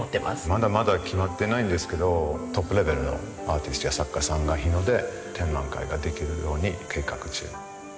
まだまだ決まってないんですけどトップレベルのアーティストや作家さんが日野で展覧会ができるように計画中。